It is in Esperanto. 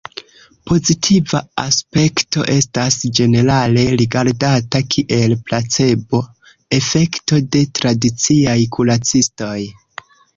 Pozitiva aspekto estas ĝenerale rigardata kiel 'placebo'-efekto de tradiciaj kuracistoj.